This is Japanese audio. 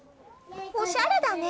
おしゃれだね！